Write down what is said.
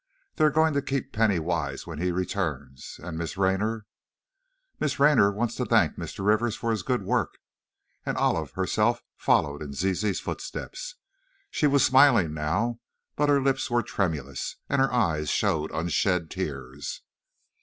They're going to keep Penny Wise when he returns, and Miss Raynor " "Miss Raynor wants to thank Mr. Rivers for his good work," and Olive herself followed in Zizi's footsteps. She was smiling now, but her lips were tremulous and her eyes showed unshed tears.